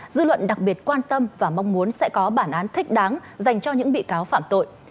dư luận đặc biệt quan tâm và mong muốn sẽ có bản án thích đáng dành cho những bị cáo phạm tội